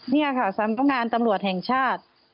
นี่ค่ะสำนักงานตำรวจแห่งชาติ